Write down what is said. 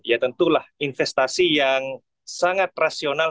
ya tentulah investasi yang sangat rasional